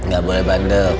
ga boleh bandel